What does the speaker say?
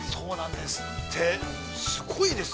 すごいですね。